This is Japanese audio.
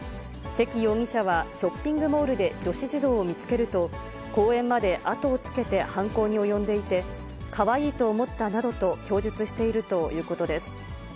関容疑者はショッピングモールで女子児童を見つけると、公園まで後をつけて犯行に及んでいて、かわいいと思ったなどと供述しているということです。